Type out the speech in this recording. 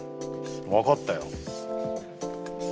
分かったよ。